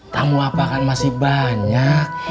tamu apa kan masih banyak